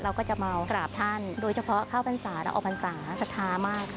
เราก็จะมากราบท่านโดยเฉพาะข้าวพรรษาแล้วออกพรรษาศรัทธามากค่ะ